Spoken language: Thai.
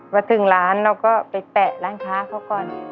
มาถึงร้านเราก็ไปแปะร้านค้าเขาก่อน